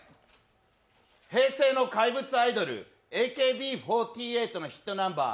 平成の怪物アイドル、ＡＫＢ４８のンバー